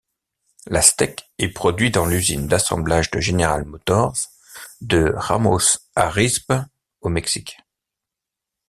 L'Aztek est produit dans l'usine d'assemblage de General Motors de Ramos Arizpe au Mexique.